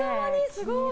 すごい！